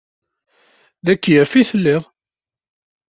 D akeyyaf i telliḍ?